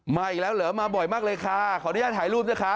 มาอีกแล้วเหรอมาบ่อยมากเลยค่ะขออนุญาตถ่ายรูปนะคะ